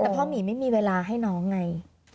แต่พ่อหมีไม่มีเวลาให้น้องไง